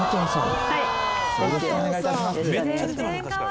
よろしくお願いします。